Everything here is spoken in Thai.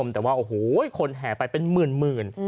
แต่ว่าอโหกลแหไปเป็นเมื่อน